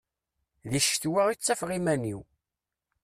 Di ccetwa i ttafeɣ iman-iw.